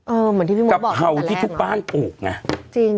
เออเหมือนที่พี่มุทรบอกตอนแรกเนอะจริง